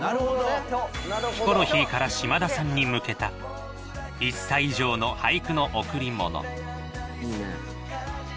ヒコロヒーから嶋田さんに向けた、一茶以上の俳句の贈り物。